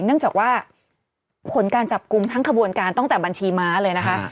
เนื่องจากว่าผลการจับกลุ่มทั้งขบวนการตั้งแต่บัญชีม้าเลยนะคะ